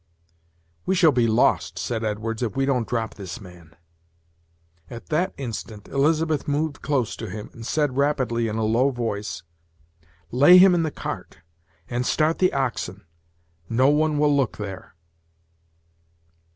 "We shall be lost," said Edwards, "if we don't drop this man." At that instant Elizabeth moved close to him, and said rapidly, in a low voice: "Lay him in the cart, and start the oxen; no one will look there."